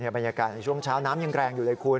บรรยากาศในช่วงเช้าน้ำยังแรงอยู่เลยคุณ